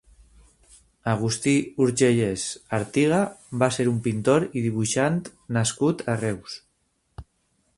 Agustí Urgellès Artiga va ser un pintor i dibuixant nascut a Reus.